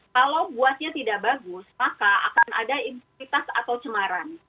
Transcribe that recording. kalau buatnya tidak bagus maka akan ada integritas atau cemaran